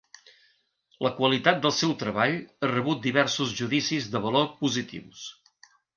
La qualitat del seu treball ha rebut diversos judicis de valor positius.